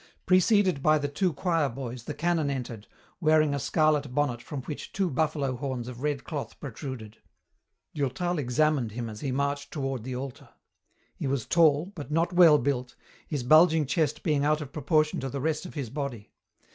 Preceded by the two choir boys the canon entered, wearing a scarlet bonnet from which two buffalo horns of red cloth protruded. Durtal examined him as he marched toward the altar. He was tall, but not well built, his bulging chest being out of proportion to the rest of his body.